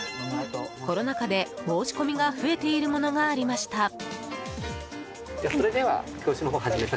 コロナ禍で申し込みが増えているものがありました。